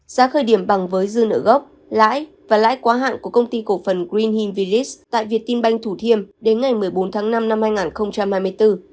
giá khởi điểm bằng với dư nợ gốc lãi và lãi quá hạn của công ty cổ phần green hing vlis tại việt tim banh thủ thiêm đến ngày một mươi bốn tháng năm năm hai nghìn hai mươi bốn